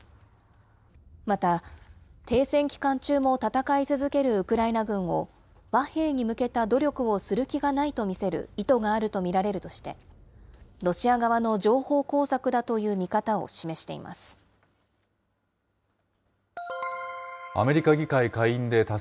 また、停戦期間中も戦い続けるウクライナ軍を、和平に向けた努力をする気がないと見せる意図があると見られるとして、ロシア側の情報工作だという見方を示しています。